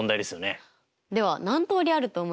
では何通りあると思いますか？